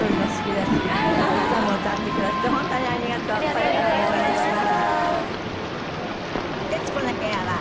これからも応援します。